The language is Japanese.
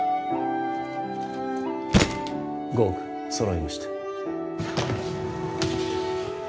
５億揃いました